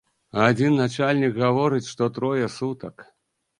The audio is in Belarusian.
Адзін начальнік гаворыць, што трое сутак.